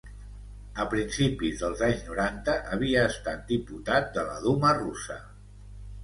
A principis dels anys noranta havia estat diputat de la Duma russa.